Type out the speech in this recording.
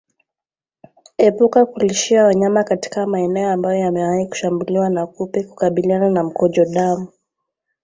Epuka kulishia wanyama katika maeneo ambayo yamewahi kushambuliwa na kupe kukabiliana na mkojo damu